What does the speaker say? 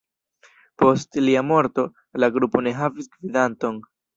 Post lia morto, la grupo ne havis gvidanton.